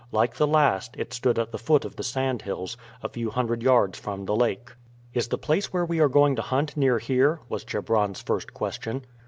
Like the last, it stood at the foot of the sandhills, a few hundred yards from the lake. "Is the place where we are going to hunt near here?" was Chebron's first question.